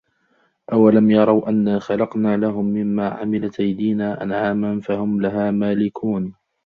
أولم يروا أنا خلقنا لهم مما عملت أيدينا أنعاما فهم لها مالكون